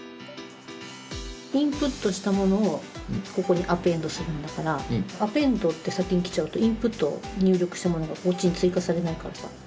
インプットしたものをここにアペンドするんだからアペンドって先にきちゃうとインプット入力したものがこっちに追加されないからさ。